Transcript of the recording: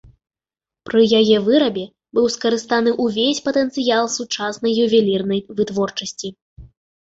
Пры яе вырабе быў скарыстаны ўвесь патэнцыял сучаснай ювелірнай вытворчасці.